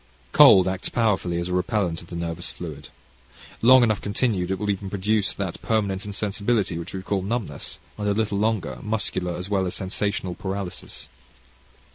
Cold acts powerfully as a repellant of the nervous fluid. Long enough continued it will even produce that permanent insensibility which we call numbness, and a little longer, muscular as well as sensational paralysis.